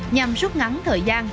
nhằm rút ngắn thời gian